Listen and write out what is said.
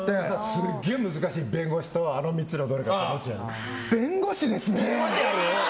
すっげえ難しい弁護士とあの３つのどれかだったら弁護士ですね！